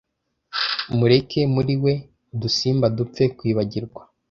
mureke muri we udusimba dupfe kwibagirwa